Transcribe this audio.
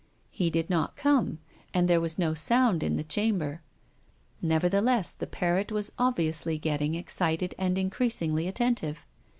He did not come, and there was no sound in the chamber. Neverthe less, the parrot was obviously getting excited and increasingly attentive.